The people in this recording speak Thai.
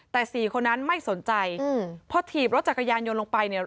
แต่๔คนนั้นไม่สนใจเพราะถีบรถจักรยานยนต์ลงไป